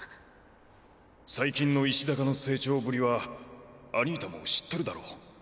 最近の石坂の成長ぶりはアニータも知ってるだろう？